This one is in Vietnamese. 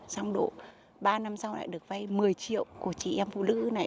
xong độ ba năm sau lại được vay một mươi triệu của chị em phụ nữ này